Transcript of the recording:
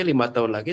lima tahun lagi